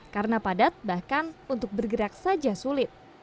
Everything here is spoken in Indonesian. karena padat bahkan untuk bergerak saja sulit